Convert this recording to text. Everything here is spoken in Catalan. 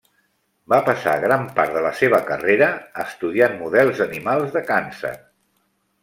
Va passar gran part de la seva carrera estudiant models animals de càncer.